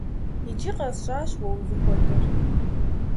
Иджы къэсщӏащ уэ узыхуэдэр.